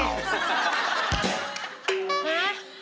ห๊ะ